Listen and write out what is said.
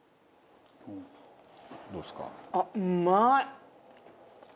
どうですか？